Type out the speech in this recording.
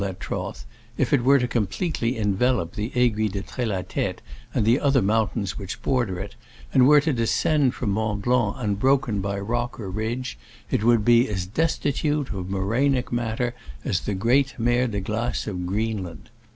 that trough, if it wereTo completely envelop the Aiguille de Trelatete and the other mountains which border it, and were to descend from Mont Blanc un broken by rock or ridge, it would be as destitute of morainic matter as the great Mer de Glace of Greenland.